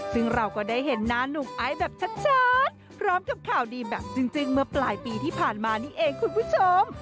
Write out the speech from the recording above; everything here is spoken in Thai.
ซึ่งเราก็ได้เห็นหน้าหนุ่มไอซ์แบบชัดพร้อมกับข่าวดีแบบจึ้งเมื่อปลายปีที่ผ่านมานี่เองคุณผู้ชม